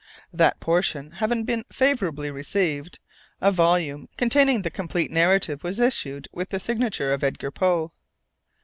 That portion having been favourably received, a volume containing the complete narrative was issued with the signature of Edgar Poe.